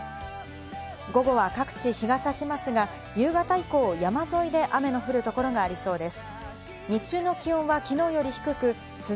午後は各地、日が差しますが、夕方以降は山沿いで雨の降るところがありそうです。